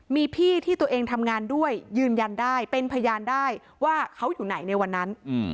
มีพี่ที่ตัวเองทำงานด้วยยืนยันได้เป็นพยานได้ว่าเขาอยู่ไหนในวันนั้น